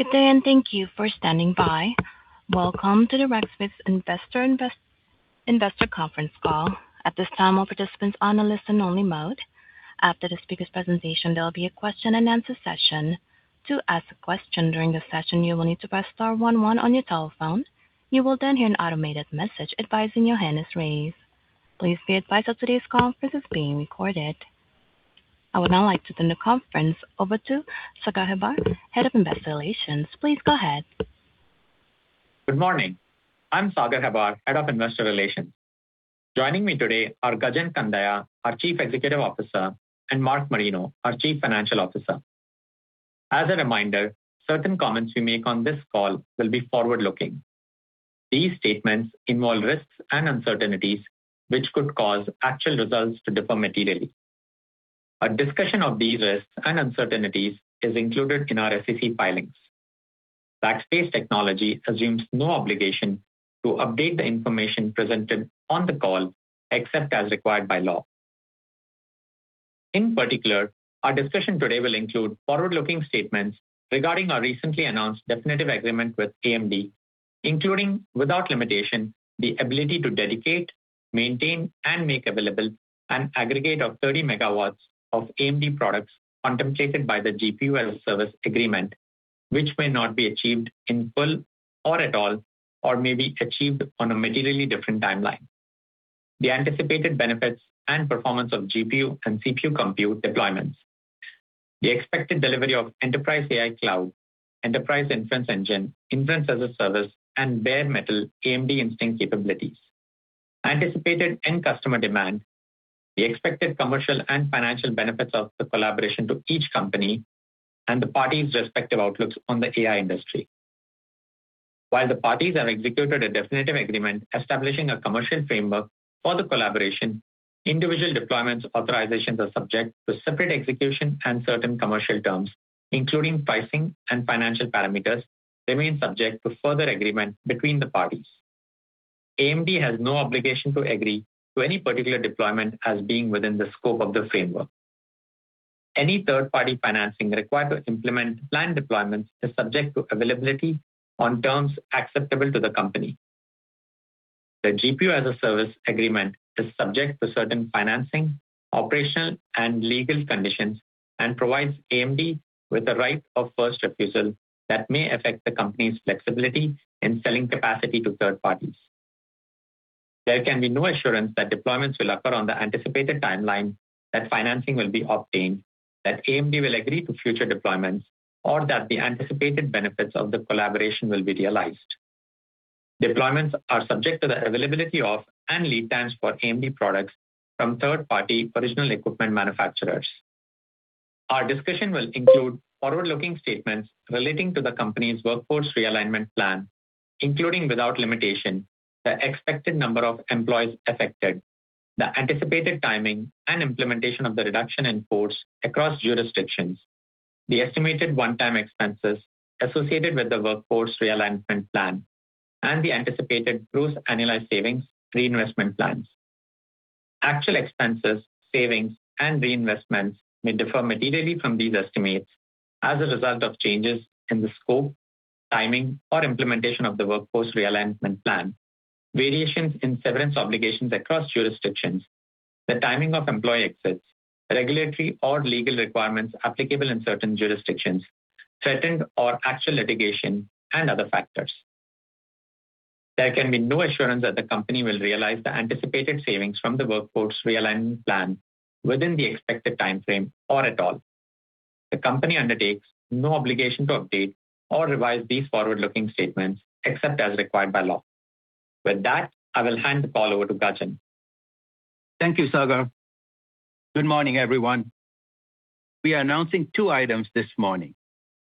Good day and thank you for standing by. Welcome to the Rackspace investor conference call. At this time, all participants are on a listen-only mode. After the speakers' presentation, there will be a question-and-answer session. To ask a question during the session, you will need to press star one one on your telephone. You will then hear an automated message advising your hand is raised. Please be advised that today's conference is being recorded. I would now like to turn the conference over to Sagar Hebbar, Head of Investor Relations. Please go ahead. Good morning. I'm Sagar Hebbar, Head of Investor Relations. Joining me today are Gajen Kandiah, our Chief Executive Officer, and Mark Marino, our Chief Financial Officer. As a reminder, certain comments we make on this call will be forward-looking. These statements involve risks and uncertainties which could cause actual results to differ materially. A discussion of these risks and uncertainties is included in our SEC filings. Rackspace Technology assumes no obligation to update the information presented on the call except as required by law. In particular, our discussion today will include forward-looking statements regarding our recently announced definitive agreement with AMD, including, without limitation, the ability to dedicate, maintain, and make available an aggregate of 30 MW of AMD products contemplated by the GPU-as-a-Service agreement, which may not be achieved in full or at all or may be achieved on a materially different timeline; the anticipated benefits and performance of GPU and CPU compute deployments; the expected delivery of Enterprise AI Cloud, Enterprise Inference Engine, Inference-as-a-Service, and bare metal AMD Instinct capabilities; anticipated end customer demand; the expected commercial and financial benefits of the collaboration to each company; and the parties' respective outlooks on the AI industry. While the parties have executed a definitive agreement establishing a commercial framework for the collaboration, individual deployments authorizations are subject to separate execution and certain commercial terms, including pricing and financial parameters remain subject to further agreement between the parties. AMD has no obligation to agree to any particular deployment as being within the scope of the framework. Any third-party financing required to implement planned deployments is subject to availability on terms acceptable to the company. The GPU-as-a-Service agreement is subject to certain financing, operational, and legal conditions and provides AMD with the right of first refusal that may affect the company's flexibility in selling capacity to third parties. There can be no assurance that deployments will occur on the anticipated timeline, that financing will be obtained, that AMD will agree to future deployments, or that the anticipated benefits of the collaboration will be realized. Deployments are subject to the availability of and lead times for AMD products from third-party original equipment manufacturers. Our discussion will include forward-looking statements relating to the company's workforce realignment plan, including, without limitation, the expected number of employees affected, the anticipated timing and implementation of the reduction in force across jurisdictions, the estimated one-time expenses associated with the workforce realignment plan, and the anticipated gross annualized savings reinvestment plans. Actual expenses, savings, and reinvestments may differ materially from these estimates as a result of changes in the scope, timing, or implementation of the workforce realignment plan, variations in severance obligations across jurisdictions, the timing of employee exits, regulatory or legal requirements applicable in certain jurisdictions, threatened or actual litigation, and other factors. There can be no assurance that the company will realize the anticipated savings from the workforce realignment plan within the expected timeframe or at all. The company undertakes no obligation to update or revise these forward-looking statements except as required by law. With that, I will hand the call over to Gajen. Thank you, Sagar. Good morning, everyone. We are announcing two items this morning.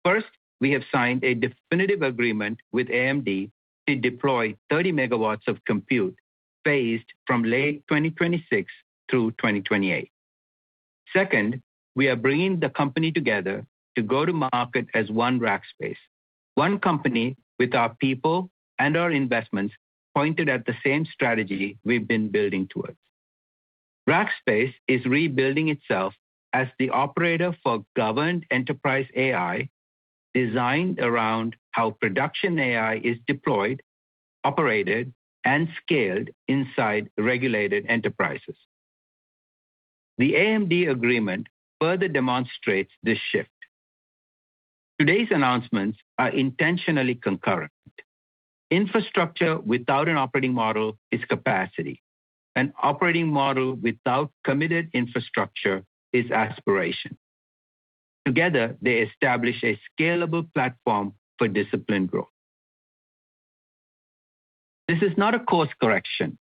First, we have signed a definitive agreement with AMD to deploy 30 MW of compute phased from late 2026 through 2028. Second, we are bringing the company together to go to market as one Rackspace, one company with our people and our investments pointed at the same strategy we've been building towards. Rackspace is rebuilding itself as the operator for governed enterprise AI, designed around how production AI is deployed, operated, and scaled inside regulated enterprises. The AMD agreement further demonstrates this shift. Today's announcements are intentionally concurrent. Infrastructure without an operating model is capacity. An operating model without committed infrastructure is aspiration. Together, they establish a scalable platform for disciplined growth. This is not a course correction.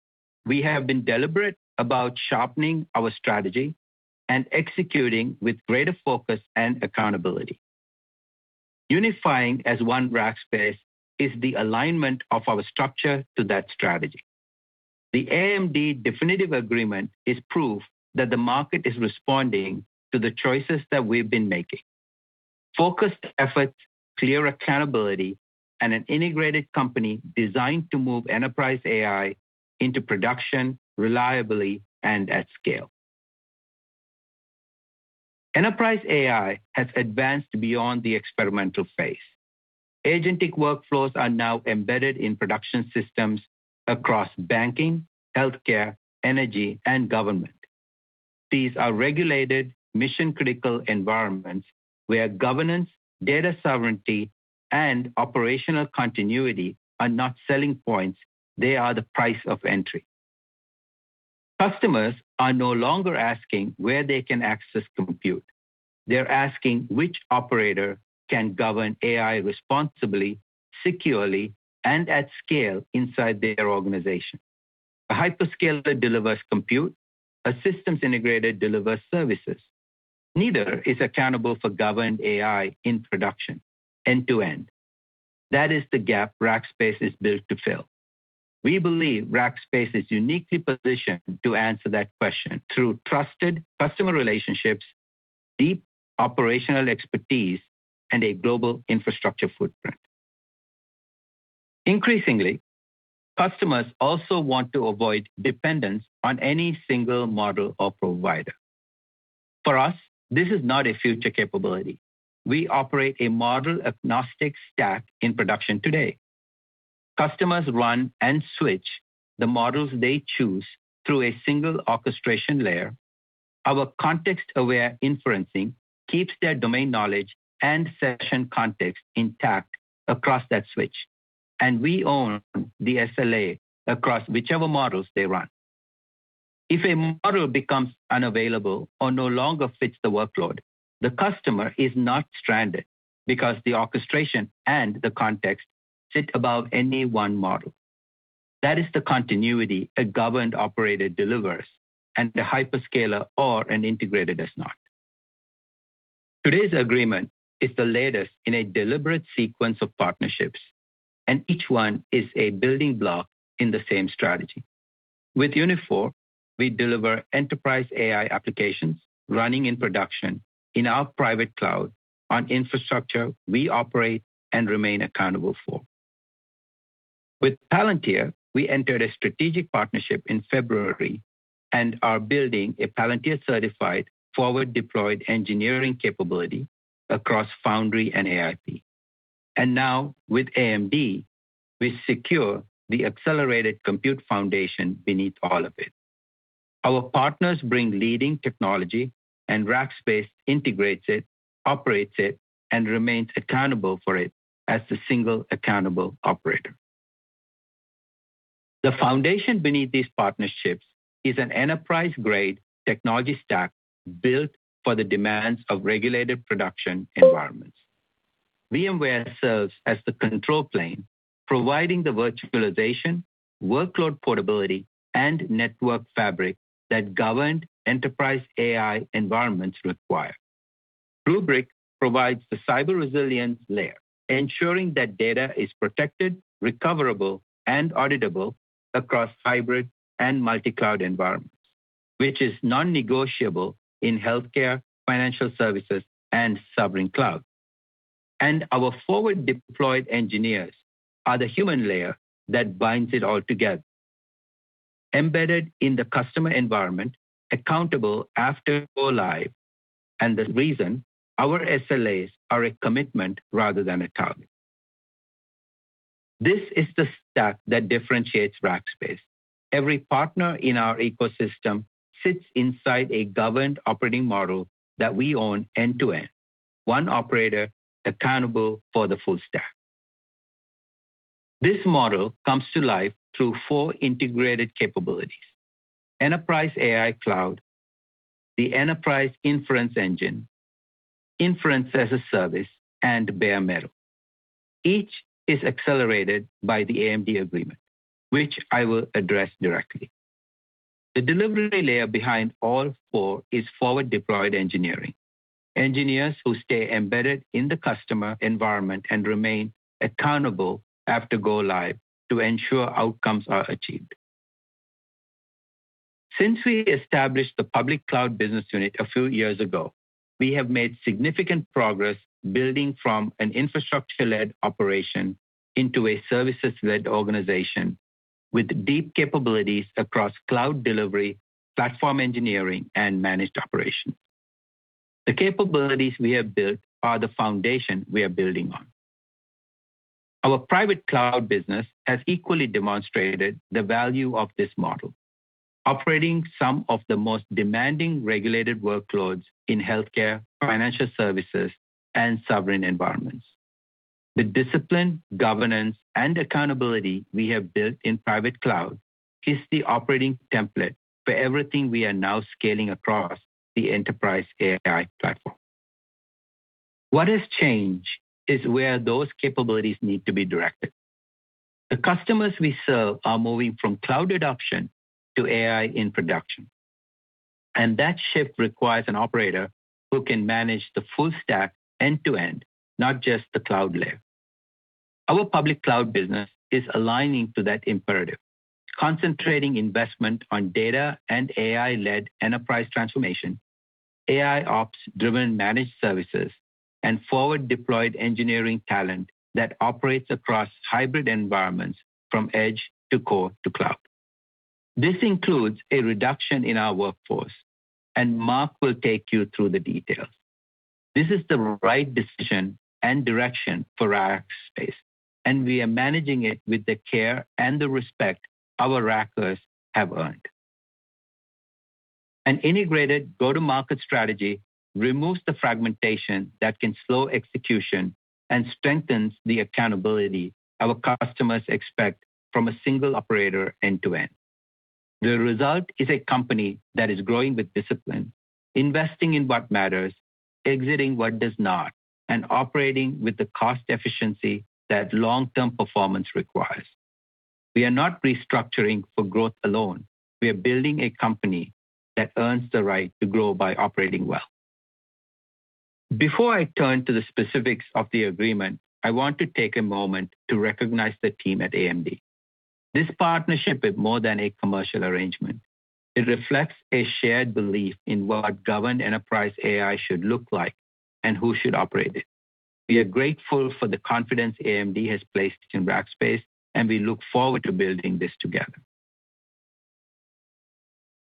We have been deliberate about sharpening our strategy and executing with greater focus and accountability. Unifying as one Rackspace is the alignment of our structure to that strategy. The AMD definitive agreement is proof that the market is responding to the choices that we've been making: focused effort, clear accountability, and an integrated company designed to move enterprise AI into production, reliably and at scale. Enterprise AI has advanced beyond the experimental phase. Agentic workflows are now embedded in production systems across banking, healthcare, energy, and government. These are regulated mission-critical environments where governance, data sovereignty, and operational continuity are not selling points, they are the price of entry. Customers are no longer asking where they can access compute. They're asking which operator can govern AI responsibly, securely, and at scale inside their organization. A hyperscaler delivers compute. A systems integrator delivers services. Neither is accountable for governed AI in production end-to-end. That is the gap Rackspace is built to fill. We believe Rackspace is uniquely positioned to answer that question through trusted customer relationships, deep operational expertise, and a global infrastructure footprint. Increasingly, customers also want to avoid dependence on any single model or provider. For us, this is not a future capability. We operate a model-agnostic stack in production today. Customers run and switch the models they choose through a single orchestration layer. Our context-aware inferencing keeps their domain knowledge and session context intact across that switch, and we own the SLA across whichever models they run. If a model becomes unavailable or no longer fits the workload, the customer is not stranded because the orchestration and the context sit above any one model. That is the continuity a governed operator delivers and a hyperscaler or an integrator does not. Today's agreement is the latest in a deliberate sequence of partnerships, and each one is a building block in the same strategy. With Uniphore, we deliver enterprise AI applications running in production in our private cloud on infrastructure we operate and remain accountable for. With Palantir, we entered a strategic partnership in February and are building a Palantir-certified forward deployed engineering capability across Foundry and AIP. Now, with AMD, we secure the accelerated compute foundation beneath all of it. Our partners bring leading technology, and Rackspace integrates it, operates it, and remains accountable for it as the single accountable operator. The foundation beneath these partnerships is an enterprise-grade technology stack built for the demands of regulated production environments. VMware serves as the control plane, providing the virtualization, workload portability, and network fabric that governed enterprise AI environments require. Rubrik provides the cyber resilience layer, ensuring that data is protected, recoverable, and auditable across hybrid and multi-cloud environments, which is non-negotiable in healthcare, financial services, and sovereign cloud. Our forward deployed engineers are the human layer that binds it all together, embedded in the customer environment, accountable after go-live, and the reason our SLAs are a commitment rather than a target. This is the stack that differentiates Rackspace. Every partner in our ecosystem sits inside a governed operating model that we own end-to-end, one operator accountable for the full stack. This model comes to life through four integrated capabilities: Enterprise AI Cloud, the Enterprise Inference Engine, Inference-as-a-Service, and bare metal. Each is accelerated by the AMD agreement, which I will address directly. The delivery layer behind all four is forward deployed engineering, engineers who stay embedded in the customer environment and remain accountable after go-live to ensure outcomes are achieved. Since we established the public cloud business unit a few years ago, we have made significant progress building from an infrastructure-led operation into a services-led organization with deep capabilities across cloud delivery, platform engineering, and managed operations. The capabilities we have built are the foundation we are building on. Our private cloud business has equally demonstrated the value of this model, operating some of the most demanding regulated workloads in healthcare, financial services, and sovereign environments. The discipline, governance, and accountability we have built in private cloud is the operating template for everything we are now scaling across the enterprise AI platform. What has changed is where those capabilities need to be directed. The customers we serve are moving from cloud adoption to AI in production, and that shift requires an operator who can manage the full stack end-to-end, not just the cloud layer. Our public cloud business is aligning to that imperative, concentrating investment on data and AI-led enterprise transformation, AIOps-driven managed services, and forward deployed engineering talent that operates across hybrid environments from edge to core to cloud. This includes a reduction in our workforce, and Mark will take you through the details. This is the right decision and direction for Rackspace, and we are managing it with the care and the respect our Rackers have earned. An integrated go-to-market strategy removes the fragmentation that can slow execution and strengthens the accountability our customers expect from a single operator end-to-end. The result is a company that is growing with discipline, investing in what matters, exiting what does not, and operating with the cost efficiency that long-term performance requires. We are not restructuring for growth alone. We are building a company that earns the right to grow by operating well. Before I turn to the specifics of the agreement, I want to take a moment to recognize the team at AMD. This partnership is more than a commercial arrangement. It reflects a shared belief in what governed enterprise AI should look like and who should operate it. We are grateful for the confidence AMD has placed in Rackspace, and we look forward to building this together.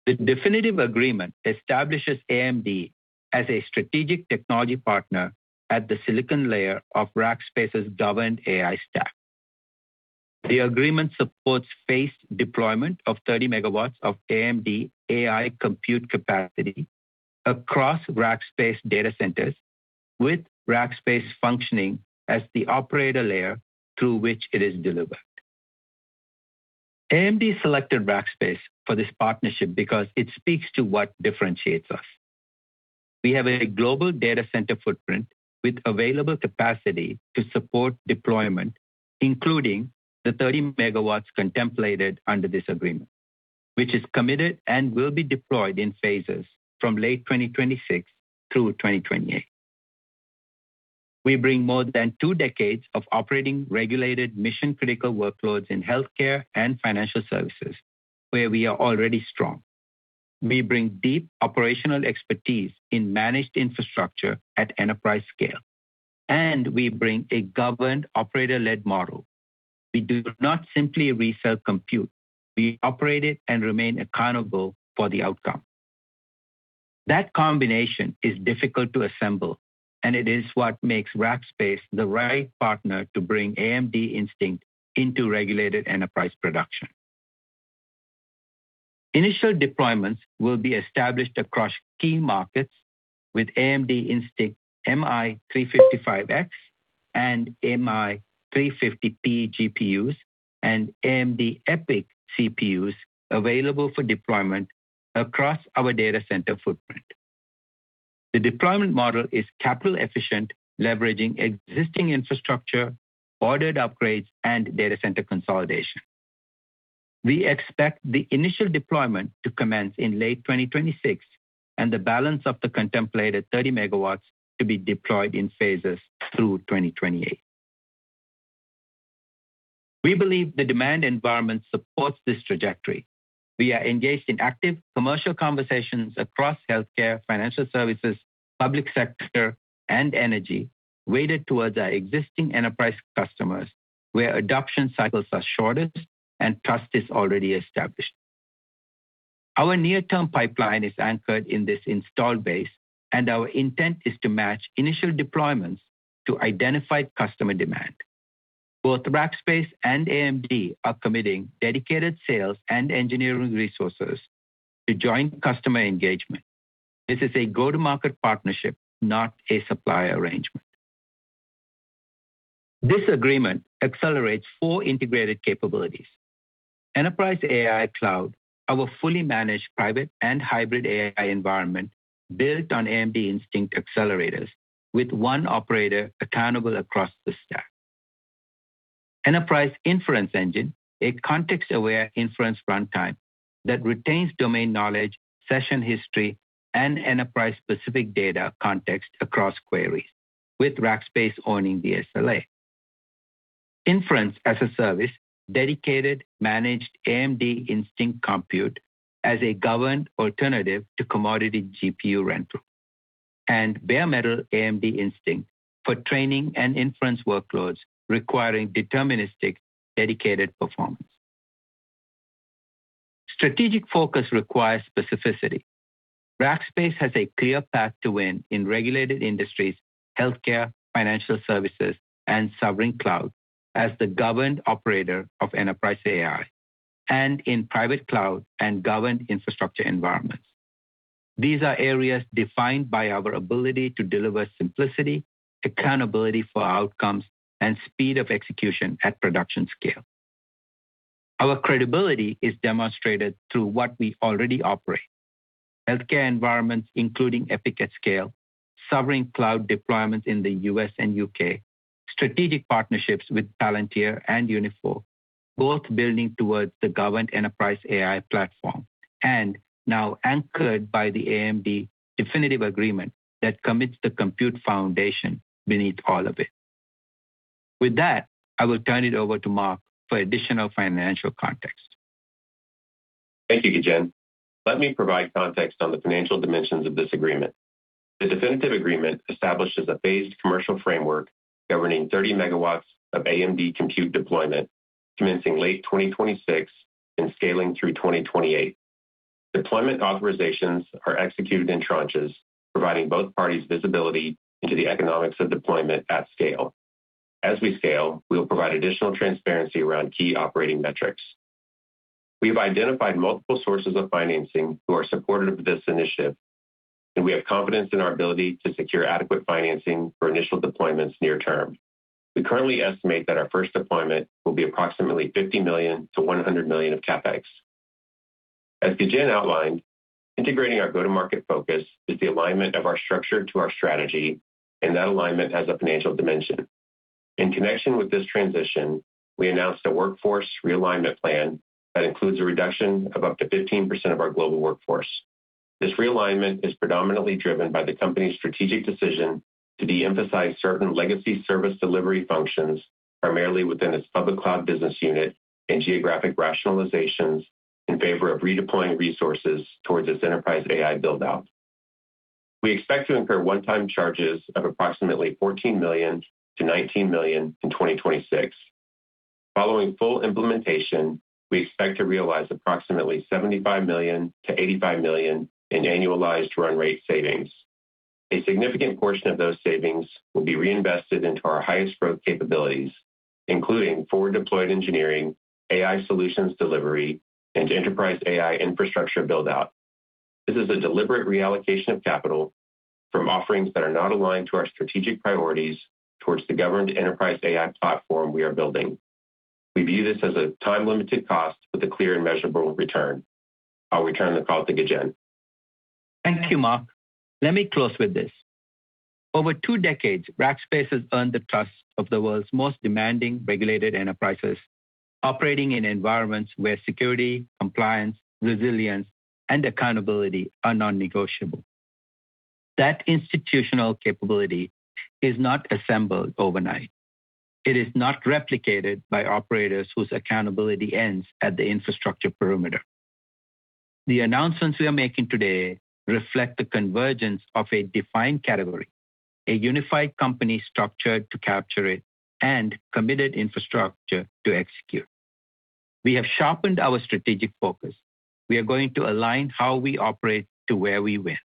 The definitive agreement establishes AMD as a strategic technology partner at the silicon layer of Rackspace's governed AI stack. The agreement supports phased deployment of 30 MW of AMD AI compute capacity across Rackspace data centers, with Rackspace functioning as the operator layer through which it is delivered. AMD selected Rackspace for this partnership because it speaks to what differentiates us. We have a global data center footprint with available capacity to support deployment, including the 30 MW contemplated under this agreement, which is committed and will be deployed in phases from late 2026 through 2028. We bring more than two decades of operating regulated mission-critical workloads in healthcare and financial services, where we are already strong. We bring deep operational expertise in managed infrastructure at enterprise scale, and we bring a governed operator-led model. We do not simply resell compute. We operate it and remain accountable for the outcome. That combination is difficult to assemble, and it is what makes Rackspace the right partner to bring AMD Instinct into regulated enterprise production. Initial deployments will be established across key markets with AMD Instinct MI355X and MI350P GPUs and AMD EPYC CPUs available for deployment across our data center footprint. The deployment model is capital efficient, leveraging existing infrastructure, ordered upgrades, and data center consolidation. We expect the initial deployment to commence in late 2026 and the balance of the contemplated 30 MW to be deployed in phases through 2028. We believe the demand environment supports this trajectory. We are engaged in active commercial conversations across healthcare, financial services, public sector, and energy, weighted towards our existing enterprise customers, where adoption cycles are shortest and trust is already established. Our near-term pipeline is anchored in this installed base, and our intent is to match initial deployment to identify customer demand. Both Rackspace and AMD are committing dedicated sales and engineering resources to joint customer engagement. This is a go-to-market partnership, not a supply arrangement. This agreement accelerates four integrated capabilities: Enterprise AI Cloud, our fully managed private and hybrid AI environment built on AMD Instinct accelerators with one operator accountable across the stack; Enterprise Inference Engine, a context-aware inference runtime that retains domain knowledge, session history, and enterprise-specific data context across queries with Rackspace owning the SLA; Inference-as-a-Service, dedicated managed AMD Instinct compute as a governed alternative to commodity GPU rental; and bare metal AMD Instinct for training and inference workloads requiring deterministic, dedicated performance. Strategic focus requires specificity. Rackspace has a clear path to win in regulated industries, healthcare, financial services, and sovereign cloud as the governed operator of enterprise AI, and in private cloud and governed infrastructure environments. These are areas defined by our ability to deliver simplicity, accountability for outcomes, and speed of execution at production scale. Our credibility is demonstrated through what we already operate: healthcare environments, including Epic at scale, sovereign cloud deployments in the U.S. and U.K., strategic partnerships with Palantir and Uniphore, both building towards the governed enterprise AI platform and now anchored by the AMD definitive agreement that commits the compute foundation beneath all of it. With that, I will turn it over to Mark for additional financial context. Thank you, Gajen. Let me provide context on the financial dimensions of this agreement. The definitive agreement establishes a phased commercial framework governing 30 MW of AMD compute deployment, commencing late 2026 and scaling through 2028. Deployment authorizations are executed in tranches, providing both parties visibility into the economics of deployment at scale. As we scale, we will provide additional transparency around key operating metrics. We have identified multiple sources of financing who are supportive of this initiative, and we have confidence in our ability to secure adequate financing for initial deployments near term. We currently estimate that our first deployment will be approximately $50 million-$100 million of CapEx. As Gajen outlined, integrating our go-to-market focus is the alignment of our structure to our strategy, and that alignment has a financial dimension. In connection with this transition, we announced a workforce realignment plan that includes a reduction of up to 15% of our global workforce. This realignment is predominantly driven by the company's strategic decision to de-emphasize certain legacy service delivery functions, primarily within its public cloud business unit and geographic rationalizations in favor of redeploying resources towards its enterprise AI build-out. We expect to incur one-time charges of approximately $14 million-$19 million in 2026. Following full implementation, we expect to realize approximately $75 million-$85 million in annualized run rate savings. A significant portion of those savings will be reinvested into our highest growth capabilities, including forward deployed engineering, AI solutions delivery, and enterprise AI infrastructure build-out. This is a deliberate reallocation of capital from offerings that are not aligned to our strategic priorities towards the governed enterprise AI platform we are building. We view this as a time-limited cost with a clear and measurable return. I'll return the call to Gajen. Thank you, Mark. Let me close with this. Over two decades, Rackspace has earned the trust of the world's most demanding regulated enterprises, operating in environments where security, compliance, resilience, and accountability are non-negotiable. That institutional capability is not assembled overnight. It is not replicated by operators whose accountability ends at the infrastructure perimeter. The announcements we are making today reflect the convergence of a defined category, a unified company structured to capture it, and committed infrastructure to execute. We have sharpened our strategic focus. We are going to align how we operate to where we win.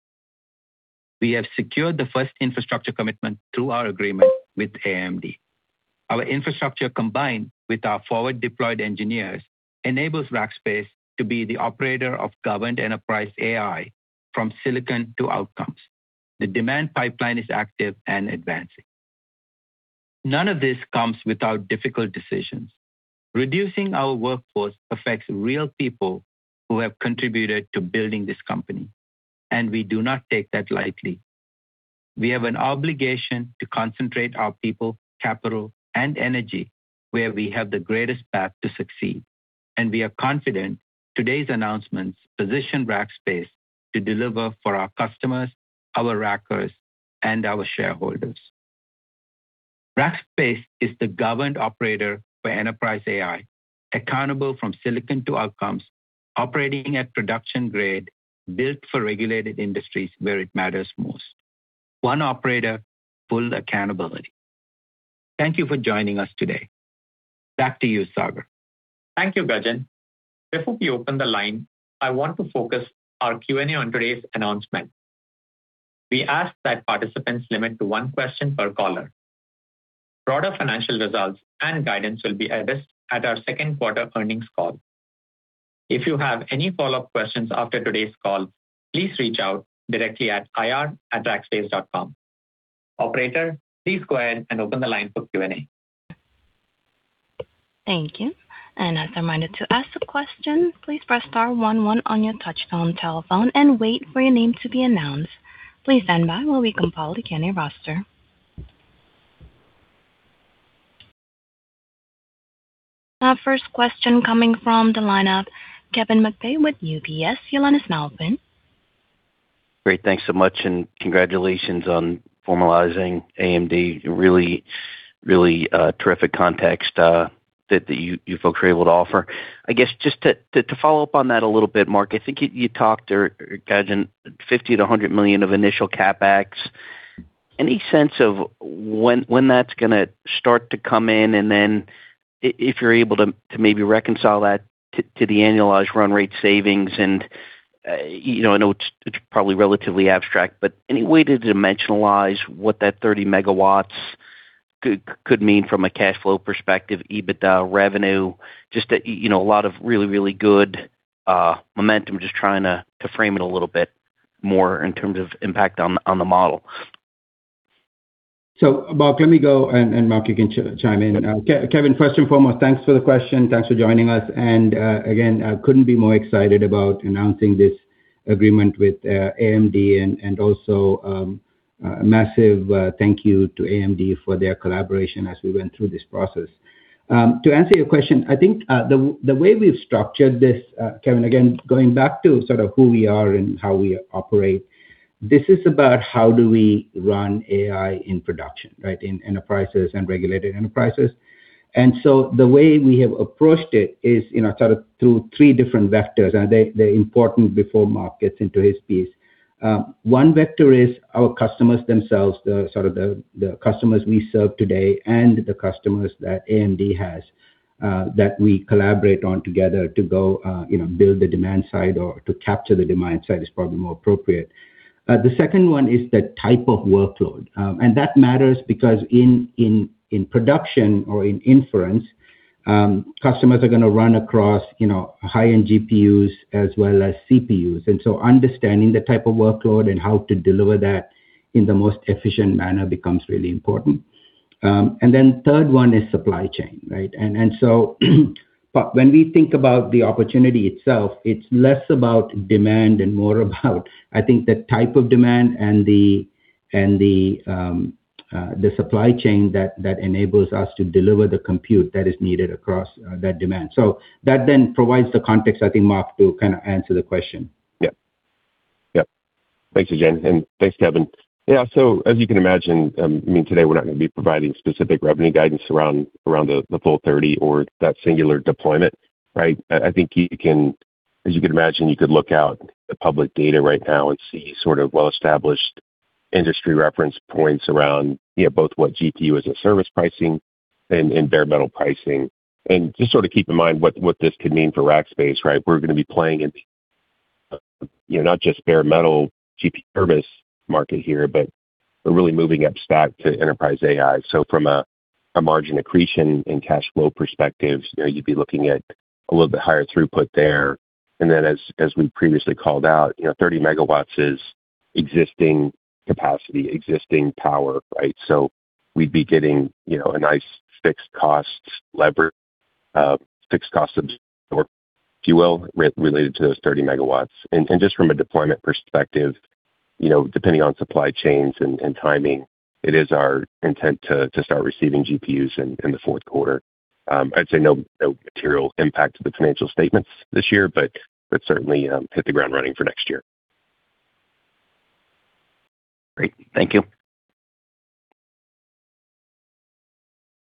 We have secured the first infrastructure commitment through our agreement with AMD. Our infrastructure, combined with our forward deployed engineers, enables Rackspace to be the operator of governed enterprise AI from silicon to outcomes. The demand pipeline is active and advancing. None of this comes without difficult decisions. Reducing our workforce affects real people who have contributed to building this company, and we do not take that lightly. We have an obligation to concentrate our people, capital, and energy where we have the greatest path to succeed, and we are confident today's announcements position Rackspace to deliver for our customers, our Rackers, and our shareholders. Rackspace is the governed operator for enterprise AI, accountable from silicon to outcomes, operating at production grade, built for regulated industries where it matters most. One operator, full accountability. Thank you for joining us today. Back to you, Sagar. Thank you, Gajen. Before we open the line, I want to focus our Q&A on today's announcement. We ask that participants limit to one question per caller. Broader financial results and guidance will be addressed at our second quarter earnings call. If you have any follow-up questions after today's call, please reach out directly at ir@rackspace.com. Operator, please go ahead and open the line for Q&A. Thank you. As a reminder, to ask a question, please press star one one on your touch-tone telephone and wait for your name to be announced. Please stand by while we compile the Q&A roster. Our first question coming from the line of Kevin McVeigh with UBS. Your line is now open. Great. Thanks so much and congratulations on formalizing AMD, really, really terrific context that you folks are able to offer. I guess just to follow up on that a little bit, Mark, I think you talked, or Gajen, $50 million-$100 million of initial CapEx. Any sense of when that's going to start to come in? Then, if you're able to maybe reconcile that to the annualized run rate savings, and I know it's probably relatively abstract, but any way to dimensionalize what that 30 MW could mean from a cash flow perspective, EBITDA revenue? Just a lot of really, really good momentum, just trying to frame it a little bit more in terms of impact on the model. Mark, let me go and Mark, you can chime in. Kevin, first and foremost, thanks for the question. Thanks for joining us and again, couldn't be more excited about announcing this agreement with AMD and also a massive thank you to AMD for their collaboration as we went through this process. To answer your question, I think the way we've structured this, Kevin, again, going back to sort of who we are and how we operate, this is about how do we run AI in production, right, in enterprises and regulated enterprises. The way we have approached it is sort of through three different vectors, and they're important before Mark gets into his piece. One vector is our customers themselves, the sort of the customers we serve today and the customers that AMD has, that we collaborate on together to go build the demand side or to capture the demand side is probably more appropriate. The second one is the type of workload, and that matters because in production or in inference, customers are going to run across high-end GPUs as well as CPUs. Understanding the type of workload and how to deliver that in the most efficient manner becomes really important. Third one is supply chain, right? When we think about the opportunity itself, it's less about demand and more about, I think the type of demand and the supply chain that enables us to deliver the compute that is needed across that demand. That then provides the context, I think, Mark, to kind of answer the question. Yep. Thanks, Gajen, and thanks, Kevin. As you can imagine, today, we're not going to be providing specific revenue guidance around the full 30 MW or that singular deployment, right? As you can imagine, you could look out at public data right now and see sort of well-established industry reference points around both what GPU-as-a-Service pricing and bare metal pricing. Just sort of keep in mind what this could mean for Rackspace, right? We're going to be playing in not just bare metal GPU-as-a-Service market here, but we're really moving upstack to enterprise AI. From a margin accretion and cash flow perspective, you'd be looking at a little bit higher throughput there. As we previously called out, 30 MW is existing capacity, existing power, right? We'd be getting a nice, fixed cost lever, fixed cost absorb, if you will, related to those 30 MW. Just from a deployment perspective, depending on supply chains and timing, it is our intent to start receiving GPUs in the fourth quarter. I'd say no material impact to the financial statements this year but certainly hit the ground running for next year. Great. Thank you.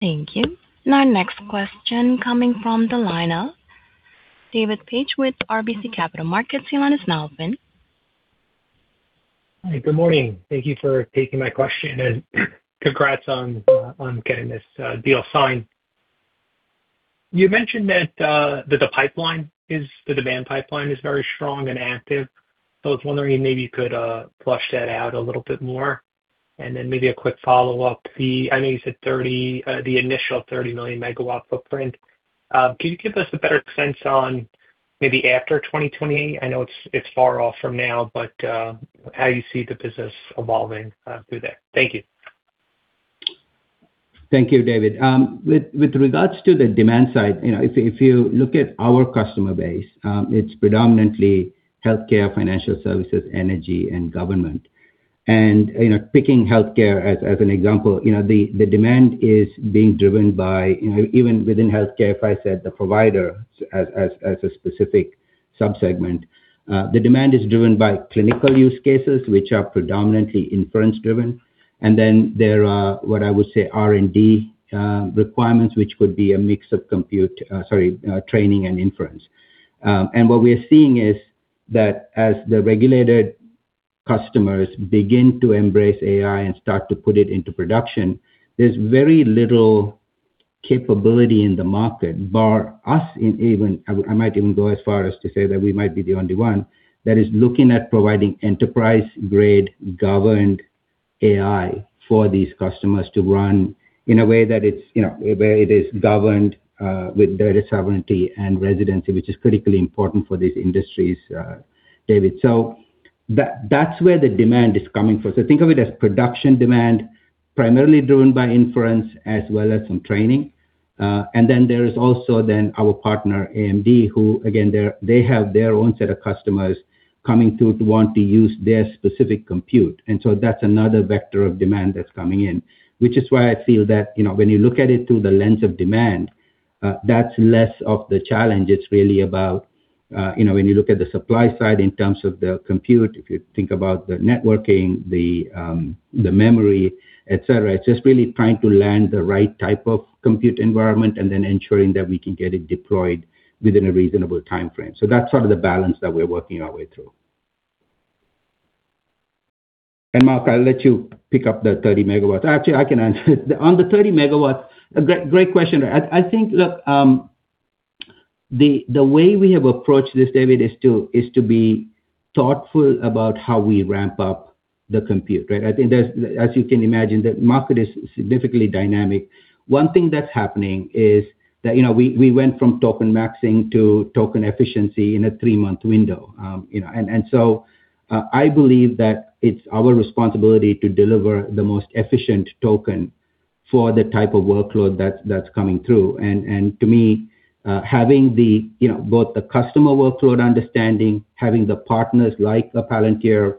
Thank you. Our next question coming from the line of David Paige with RBC Capital Markets. Your line is now open. Hi. Good morning. Thank you for taking my question and congrats on getting this deal signed. You mentioned that the pipeline, the demand pipeline is very strong and active. I was wondering maybe you could flesh that out a little bit more, and then maybe a quick follow-up. I know you said the initial 30-million-megawatt footprint. Can you give us a better sense on maybe after 2028? I know it's far off from now, but how do you see the business evolving through that? Thank you. Thank you, David. With regards to the demand side, if you look at our customer base, it's predominantly healthcare, financial services, energy, and government. Picking healthcare as an example, the demand is being driven by, even within healthcare, if I said the provider as a specific sub-segment, the demand is driven by clinical use cases, which are predominantly inference driven. Then, there are what I would say R&D requirements, which would be a mix of compute, sorry, training and inference. What we're seeing is that as the regulated customers begin to embrace AI and start to put it into production, there's very little capability in the market bar us, and I might even go as far as to say that we might be the only one, that is looking at providing enterprise-grade governed AI for these customers to run in a way that it is governed with data sovereignty and residency, which is critically important for these industries, David. That's where the demand is coming from. Think of it as production demand, primarily driven by inference as well as some training. Then, there is also then our partner, AMD, who, again, they have their own set of customers coming to want to use their specific compute. That's another vector of demand that's coming in. Which is why I feel that when you look at it through the lens of demand, that's less of the challenge. It's really about, when you look at the supply side in terms of the compute, if you think about the networking, the memory, et cetera, it's just really trying to land the right type of compute environment and then ensuring that we can get it deployed within a reasonable timeframe. That's sort of the balance that we're working our way through. Mark, I'll let you pick up the 30 MW. Actually, I can answer it. On the 30 MW, great question. I think, look, the way we have approached this, David, is to be thoughtful about how we ramp up the compute, right? I think as you can imagine, the market is significantly dynamic. One thing that's happening is that we went from token maxing to token efficiency in a three-month window. I believe that it's our responsibility to deliver the most efficient token for the type of workload that's coming through. To me, having both the customer workload understanding, having the partners like a Palantir,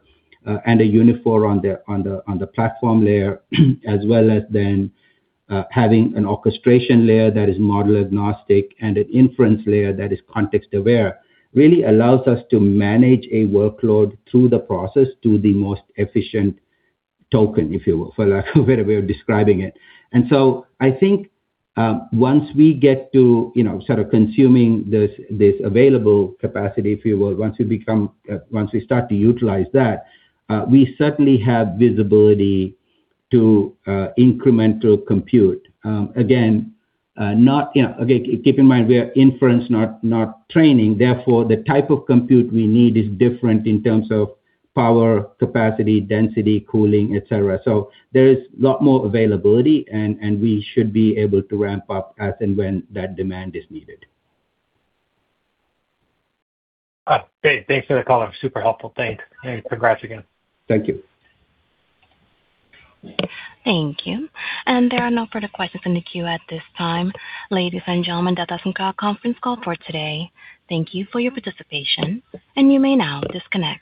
and a Uniphore on the platform layer, as well as then having an orchestration layer that is model agnostic and an inference layer that is context aware, really allows us to manage a workload through the process to the most efficient token, if you will, for lack of a better way of describing it. I think once we get to sort of consuming this available capacity, if you will, once we start to utilize that, we certainly have visibility to incremental compute. Again, keep in mind, we are inference, not training, therefore, the type of compute we need is different in terms of power, capacity, density, cooling, et cetera. There is a lot more availability, and we should be able to ramp up as and when that demand is needed. Great. Thanks for the call. Super helpful. Thanks. Congrats again. Thank you. Thank you. There are no further questions in the queue at this time. Ladies and gentlemen, that does conclude our conference call for today. Thank you for your participation, and you may now disconnect.